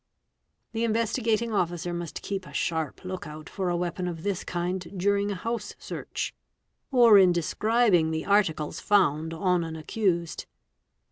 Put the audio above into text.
The Investigating Officer must keep a sharp look out for a weapon of this kind during a house search, or in describing the articles found on an accused.